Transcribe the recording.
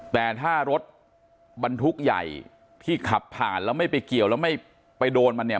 แต่ถ้ารถบรรทุกใหญ่ที่ขับผ่านแล้วไม่ไปเกี่ยวแล้วไม่ไปโดนมันเนี่ย